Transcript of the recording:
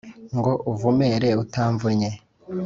ngo uvumere untamvunnnye